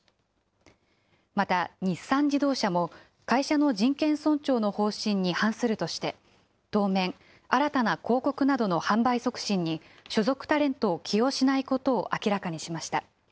また、日産自動車も会社の人権尊重の方針に反するとして、当面、新たな広告などの販売促進に所属タレントを起用しないことを明らかにしました。